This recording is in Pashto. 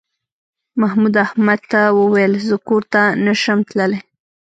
محمود احمد ته وویل زه کور ته نه شم تللی.